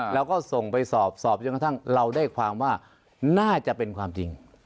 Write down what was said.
แล้วก็ส่งไปสอบสอบจนกระทั่งเราได้ความว่าน่าจะเป็นความจริง